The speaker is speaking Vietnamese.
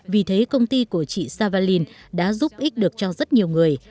vì thế công ty của chị savalin đã giúp ích được cho rất nhiều người